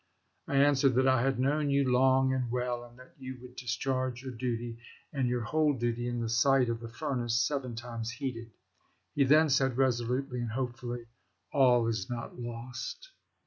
I answered that I had known you long and well and that you would discharge your duty, and your whole duty, in the sight of the furnace seven times heated. He then said reso lutely and hopefully, 'All is not lost.'"